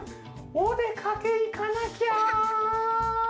おでかけいかなきゃ！」。